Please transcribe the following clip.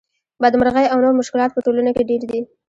بدمرغۍ او نور مشکلات په ټولنه کې ډېر دي